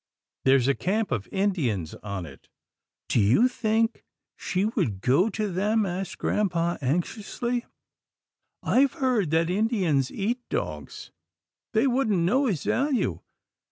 There's a camp of Indians on it." "Do you think she would go to them?" asked grampa, anxiously, " I've heard that Indians eat dogs. They wouldn't know his value.